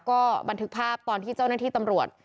ก็บันทึกภาพตอนที่เจ้าหน้าที่ตำรวจ